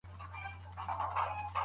مور د ماشوم د ناروغۍ نښې ويني.